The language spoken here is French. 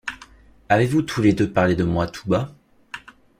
Avez-vous tous les deux parlé de moi tout bas?